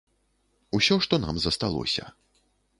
Усё, што нам засталося.